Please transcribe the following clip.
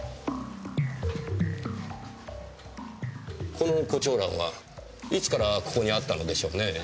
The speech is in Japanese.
この胡蝶蘭はいつからここにあったのでしょうね？